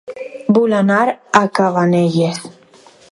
Vull anar a Cabanelles